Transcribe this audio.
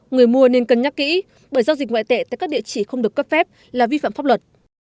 người mua nên cân nhắc kỹ bởi giao dịch ngoại tệ tại các địa chỉ không được cấp phép là vi phạm pháp luật